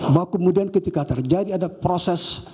bahwa kemudian ketika terjadi ada proses